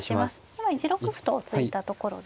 今１六歩と突いたところですね。